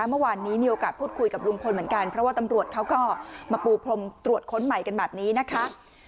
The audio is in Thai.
เมื่อวานนี้มีโอกาสพูดคุยกับลุงพลเหมือนกันเพราะว่าตำรวจเขาก็มาปูพรมตรวจค้นใหม่กันแบบนี้นะคะ